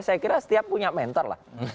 saya kira setiap punya mentor lah